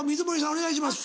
お願いします。